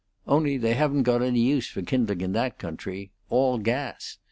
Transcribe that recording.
Only they haven't got any use for kindling in that country all gas.